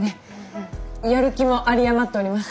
やる気も有り余っております！